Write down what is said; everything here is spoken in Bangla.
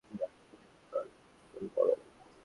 যা গিয়ে টয়লেট পরিষ্কার কর।